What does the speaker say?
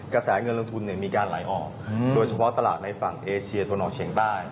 กระแสเงินลงทุนมีการไหลออกโดยเฉพาะตลาดในฝั่งเอเชียตะวันออกเฉียงใต้